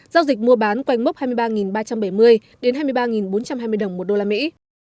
giao dịch mua bán quanh mốc hai mươi ba ba trăm bảy mươi đến hai mươi ba bốn trăm hai mươi đồng một đô la mỹ